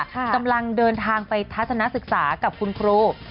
กำลังเดินทางไปทัศนศึกษากับคุณครู